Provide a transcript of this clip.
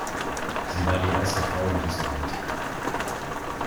Sie war die erste Frau in diesem Amt.